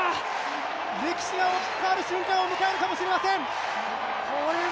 歴史が変わる瞬間を迎えるかもしれません。